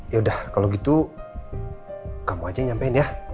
yaudah kalau gitu kamu aja yang nyampein ya